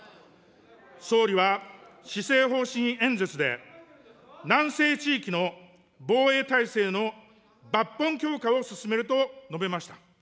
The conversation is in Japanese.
総理は施政方針演説で、南西地域の防衛体制の抜本強化を進めると述べました。